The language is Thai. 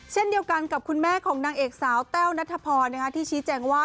เช่นเดียวกันกับคุณแม่ของนางเอกสาวแต้วนัทพรที่ชี้แจงว่า